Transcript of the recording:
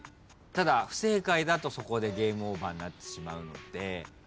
ただ不正解だとそこでゲームオーバーになってしまうので。